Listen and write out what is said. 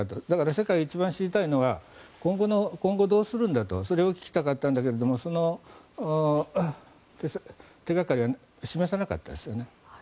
世界が一番知りたいのは今後どうするんだとそれが聞きたかったんだけどその手掛かりは示しませんでしたよね。